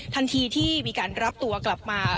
ทันทีที่มีการรับตัวกลับมา